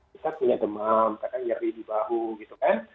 kita punya demam kadang nyeri di bahu gitu kan